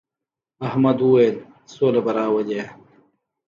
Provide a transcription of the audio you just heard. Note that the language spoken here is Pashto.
احمد وويل: سوله به راولې.